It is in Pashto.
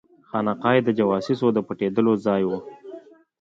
خانقاه یې د جواسیسو د پټېدلو ځای وو.